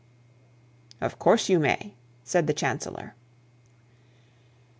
'Of course you may,' said the chancellor.